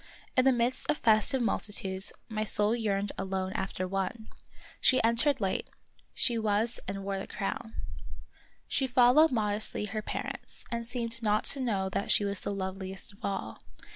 In the midst of festive multitudes my soul yearned 40 The Wonderftil History alone after one. She entered late — she was and wore the crown. She followed modestly her parents, and seemed not to know that she was the loveliest of all.